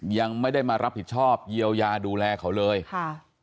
ยังไม่ได้มารับผิดชอบเยียวยาดูแลเขาเลยค่ะ